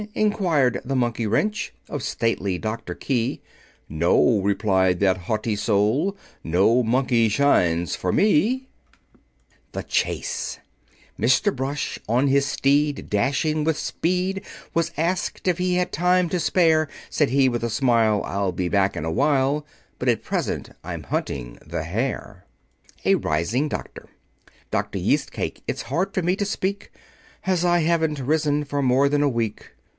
inquired the Monkey Wrench Of Stately Doctor Key; "No!" replied that haughty soul. "No Monkey shines for me." [Illustration: Dr. Key's Answer] THE CHASE Mr. Brush on his steed, dashing with speed, Was asked if he had time to spare; Said he, with a smile, "I'll be back in a while, But at present I'm hunting the hair." [Illustration: The Chase] A RISING DOCTOR "Dr. Yeast Cake, it's hard for me to speak, As I haven't risen for more than a week."